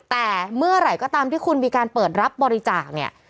แต่เมื่อไหร่ก็ตามที่คุณมีการเปิดรับบริจาคเนี่ย